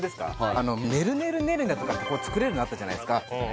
あの「ねるねるねるね」とかって作れるのあったじゃないですか